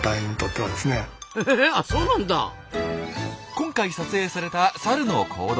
今回撮影されたサルの行動。